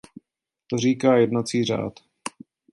To říká jednací řád.